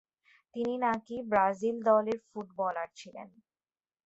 তিনি নাকি ব্রাজিল দলের ফুটবলার ছিলেন।